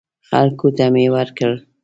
خلکو ته مې ورکړل.